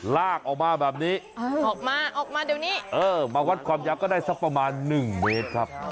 เออมาวัดความยับก็ได้ซักประมาณ๑เมตรครับ